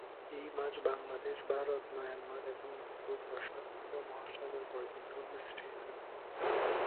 এই মাছ বাংলাদেশ, ভারত, মায়ানমার এবং ইন্দো-প্রশান্ত মহাসাগর পর্যন্ত বিস্তৃত।